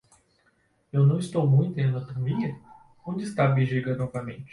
Eu não estou muito em anatomia? onde está a bexiga novamente?